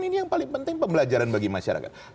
ini yang paling penting pembelajaran bagi masyarakat